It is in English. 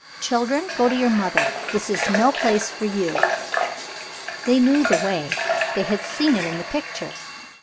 Children, go to your mother. This is no place for you." They knew the way. They had seen it in the picture.